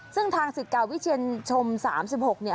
ซึ่งทางสิทธิ์เก่าวิเชียนชม๓๖เนี่ย